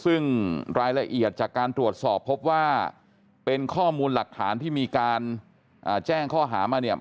ซึ่งรายละเอียดจากการตรวจสอบพบว่าเป็นข้อมูลหลักฐานที่มีการแจ้งข้อหามาเนี่ย